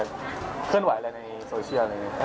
เคลื่อนไหวอะไรในโซเชียลอะไรอย่างนี้ครับ